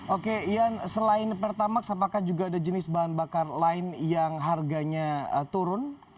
oke ian selain pertamax apakah juga ada jenis bahan bakar lain yang harganya turun